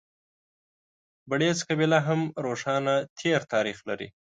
بړېڅ قبیله هم روښانه تېر تاریخ لري.